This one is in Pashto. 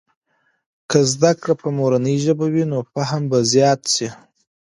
که زده کړې په مورنۍ ژبې وي، نو فهم به زيات سي.